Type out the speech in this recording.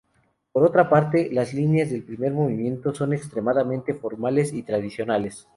Por otra parte, las líneas del primer movimiento son extremadamente formales y tradicionales.